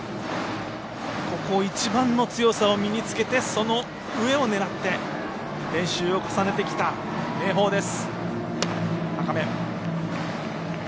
ここ一番の強さを身につけてその上を狙って練習を重ねてきた明豊です。